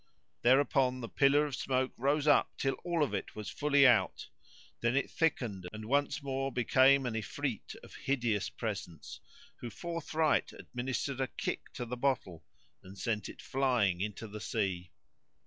Thereupon the pillar of smoke rose up till all of it was fully out; then it thickened and once more became an Ifrit of hideous presence, who forthright administered a kick to the bottle and sent it flying into the sea.